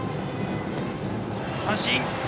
三振！